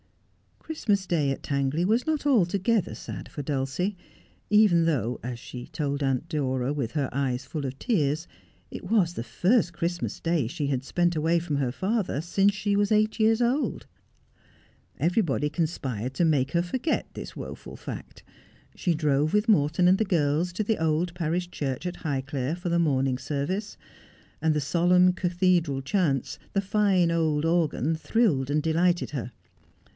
Christmas Day at Tangley was not altogether sad for Dulcie, even though, as she told Aunt Dora with her eyes full of tears, it was the first Christmas Day she had spent away from her father since she was eight years old. Everybody conspired to make her forget this woful fact. She drove with Morton and the girls to the old parish church at Highclere, for morning service, and the solemn cathedral chants, the fine old organ, thrilled and delighted her.